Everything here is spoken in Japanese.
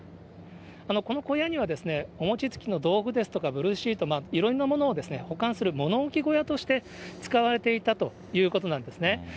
この小屋には、お餅つきの道具ですとかブルーシート、いろいろなものを保管する物置小屋として使われていたということなんですね。